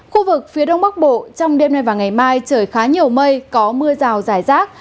khu vực phía đông bắc bộ trong đêm nay và ngày mai trời khá nhiều mây có mưa rào rải rác